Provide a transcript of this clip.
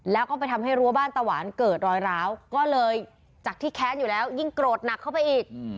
แล้วก็ไปทำให้รั้วบ้านตะหวานเกิดรอยร้าวก็เลยจากที่แค้นอยู่แล้วยิ่งโกรธหนักเข้าไปอีก